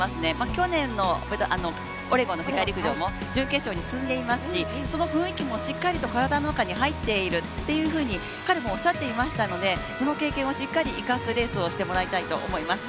去年のオレゴンの世界陸上も準決勝に進んでいますしその雰囲気もしっかり体の中に入っているというふうに彼もおっしゃっていましたのでその経験をしっかり生かすレースにしてほしいなと思います。